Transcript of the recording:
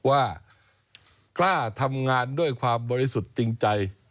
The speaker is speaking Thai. ว่ากล้าทำงานด้วยความบริสุทธิ์จริงใจ